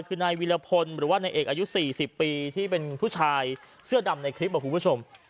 คือนายวิรพลหรือว่านายเอกอายุ๔๐ปีที่เป็นผู้ชายเสื้อดำในคลิปคุณผู้ชม